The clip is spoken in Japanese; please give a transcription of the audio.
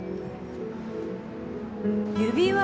指輪。